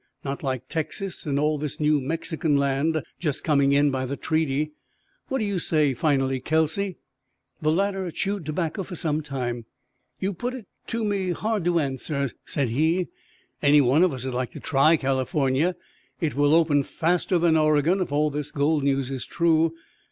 Not like Texas and all this new Mexican land just coming in by the treaty. What do you say, finally, Kelsey?" The latter chewed tobacco for some time. "You put it to me hard to answer," said he. "Any one of us'd like to try California. It will open faster than Oregon if all this gold news is true.